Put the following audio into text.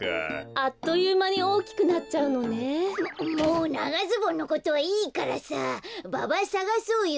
あっというまにおおきくなっちゃうのね。ももうながズボンのことはいいからさババさがそうよ！